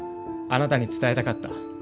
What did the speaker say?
あなたに伝えたかった。